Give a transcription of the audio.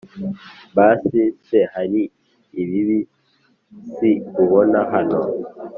basi se hari ibibisi ubona hano!’